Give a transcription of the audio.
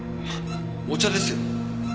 お茶ですよ。